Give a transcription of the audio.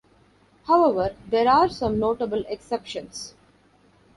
However, there are some notable exceptions.